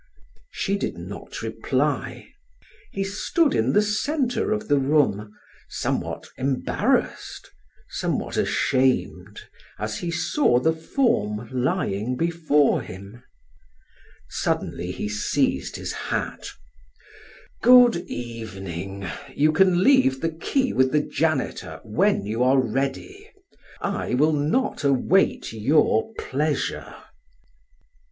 She did not reply. He stood in the center of the room, somewhat embarrassed, somewhat ashamed, as he saw the form lying before him. Suddenly he seized his hat. "Good evening. You can leave the key with the janitor when you are ready. I will not await your pleasure."